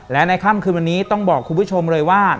และในค่ำคืนวันนี้ต้องบอกคุณผู้ชมเลยว่า